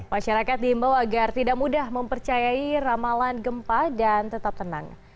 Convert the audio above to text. masyarakat diimbau agar tidak mudah mempercayai ramalan gempa dan tetap tenang